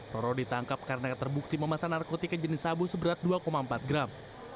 roro ditangkap karena terbukti memesan narkotika jenis sabu seberat dua empat gram